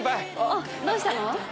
あっどうしたの？